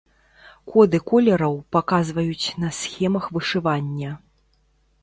Коды колераў паказваюць на схемах вышывання.